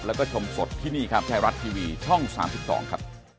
แล้วก็ชมสดที่นี่ครับไทยรัฐทีวีช่อง๓๒ครับ